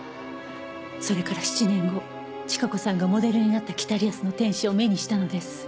「それから７年後千加子さんがモデルになった『北リアスの天使』を目にしたのです」